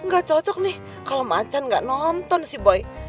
gak cocok nih kalau macan nggak nonton sih boy